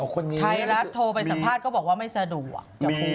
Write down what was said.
ไทยรัฐโทรไปสัมภาษณ์ก็บอกว่าไม่สะดวก